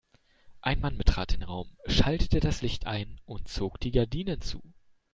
Ein Mann betrat den Raum, schaltete das Licht ein und zog die Gardinen zu.